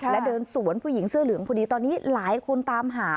และเดินสวนผู้หญิงเสื้อเหลืองพอดีตอนนี้หลายคนตามหา